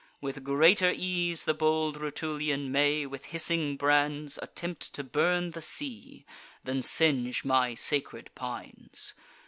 With greater ease the bold Rutulian may, With hissing brands, attempt to burn the sea, Than singe my sacred pines.